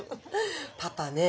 パパね